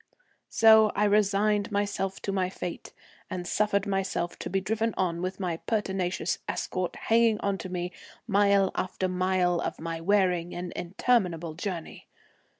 So I resigned myself to my fate, and suffered myself to be driven on with my pertinacious escort hanging on to me mile after mile of my wearing and interminable journey.